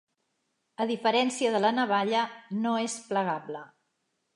A diferència de la navalla no és plegable.